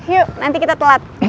yuk nanti kita telat